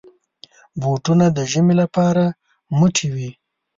بوټونه د ژمي لپاره موټي وي.